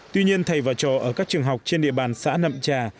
tuy nhiên thầy và trò ở các trường học trên địa bàn xã nậm trà